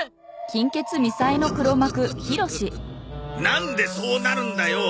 なんでそうなるんだよ！